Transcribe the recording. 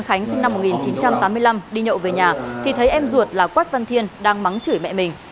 khánh sinh năm một nghìn chín trăm tám mươi năm đi nhậu về nhà thì thấy em ruột là quách văn thiên đang mắng chửi mẹ mình